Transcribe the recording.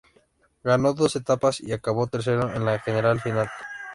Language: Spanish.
Ganó dos etapas, y acabó tercero en la general final.